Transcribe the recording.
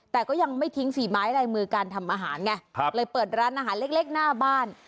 แต่ก็ยังไม่ทิ้งฝีไม้ลายมือการทำอาหารไงเลยเปิดร้านอาหารเล็กหน้าบ้าน